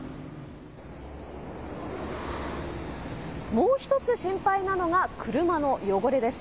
もう１つ心配なのが車の汚れです。